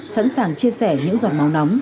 sẵn sàng chia sẻ những giọt máu nóng